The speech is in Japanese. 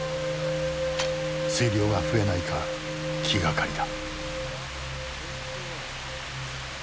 水量が増えないか気がかりだ。